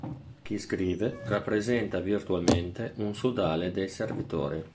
Chi scrive rappresenta virtualmente un sodale dei servitori.